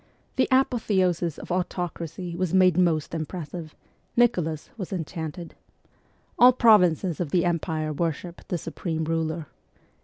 The apotheosis of autocracy was made most impressive : Nicholas was enchanted. All provinces of the Empire worshipped the supreme ruler.